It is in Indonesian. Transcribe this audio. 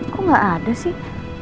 kok gak ada sih